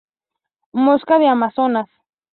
Mosca del amazonas